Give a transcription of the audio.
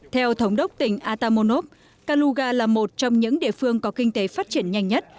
theo thống đốc tỉnh atamonok kaluga là một trong những địa phương có kinh tế phát triển nhanh nhất